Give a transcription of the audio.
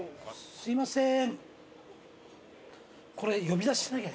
すいません。